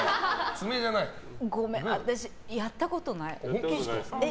ごめん、私やったことない。